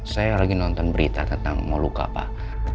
saya lagi nonton berita tentang mau luka pak